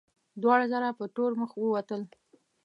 دواړه ځله په تور مخ ووتل.